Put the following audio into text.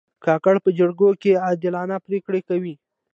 کاکړ په جرګو کې عادلانه پرېکړې کوي.